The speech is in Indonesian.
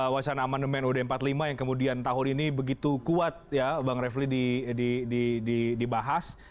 wajah amandemen ud empat puluh lima yang kemudian tahun ini begitu kuat ya bang refle di bahas